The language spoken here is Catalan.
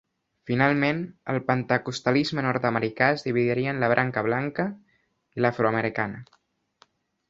Finalment, el pentecostalisme nord-americà es dividiria en la branca blanca i l'afroamericanaaaa.